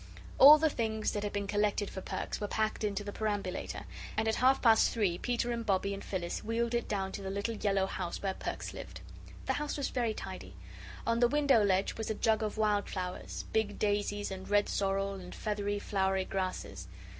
All the things that had been collected for Perks were packed into the perambulator, and at half past three Peter and Bobbie and Phyllis wheeled it down to the little yellow house where Perks lived. The house was very tidy. On the window ledge was a jug of wild flowers, big daisies, and red sorrel, and feathery, flowery grasses.